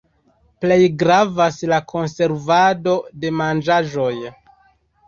Plej gravas la konservado de manĝaĵoj.